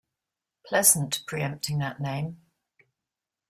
Pleasant preempting that name.